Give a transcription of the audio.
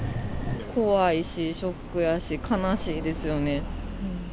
怖いし、ショックやし、悲しいですよね。